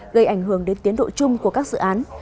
gây ảnh hưởng đến tiến độ chung của các dự án